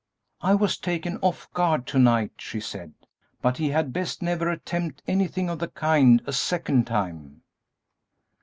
"I was taken off guard to night," she said; "but he had best never attempt anything of the kind a second time!"